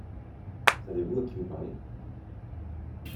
Savez-vous à qui vous parlez?